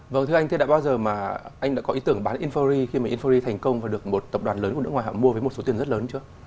vâng thưa anh thế đã bao giờ mà anh đã có ý tưởng bán infori khi mà infori thành công và được một tập đoàn lớn của nước ngoài họ mua với một số tiền rất lớn chưa